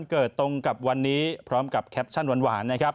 เกิดตรงกับวันนี้พร้อมกับแคปชั่นหวานนะครับ